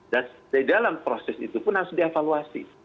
dan di dalam proses itu pun harus diavaluasi